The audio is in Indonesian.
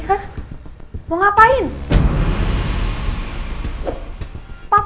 aku mau ketemu dengan anden